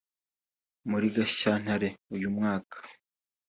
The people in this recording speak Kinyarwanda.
muri Gashyantare uyu mwaka